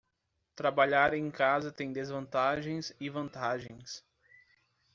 Trabalhar em casa tem desvantagens e vantagens.